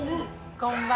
・こんばんは。